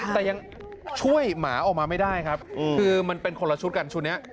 แต่ยังช่วยหมาออกมาไม่ได้ครับคือมันเป็นคนละชุดกันชุดนี้